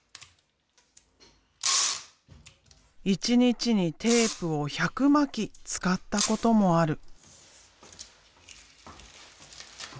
一日にテープを１００巻使ったこともある。